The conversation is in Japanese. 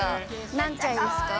何歳ですか？